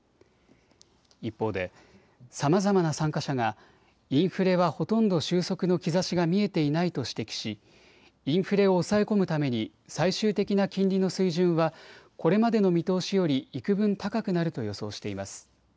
一方でさまざまな参加者がインフレはほとんど収束の兆しが見えていないと指摘しインフレを抑え込むために最終的な金利の水準はこれまでの見通しよりいくぶん高くなると予想しています。